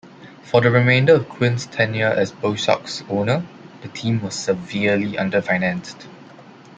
For the remainder of Quinn's tenure as Bosox owner, the team was severely underfinanced.